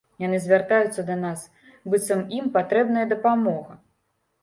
Яны звяртаюцца да нас, быццам ім патрэбная дапамога.